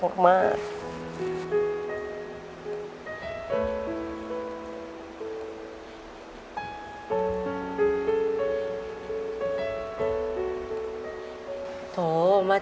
โดยโปรแกรมแม่รักลูกมาก